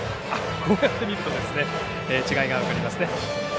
こうやって見ますと違いが分かりますね。